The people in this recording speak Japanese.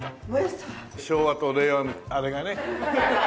昭和と令和のあれがね。